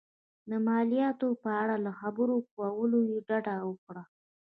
د مالیاتو په اړه له خبرو کولو یې ډډه وکړه.